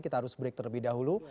kita harus break terlebih dahulu